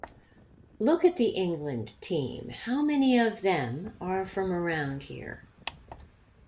Look at the England team, how many of them are from around here?